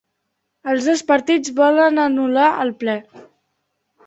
Els dos partits volen anul·lar el ple